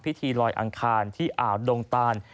พิธีลอยอังคารที่อ่าวดงตาน